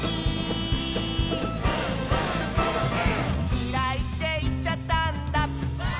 「きらいっていっちゃったんだ」